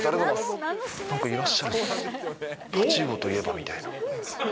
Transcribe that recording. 太刀魚といえばみたいな。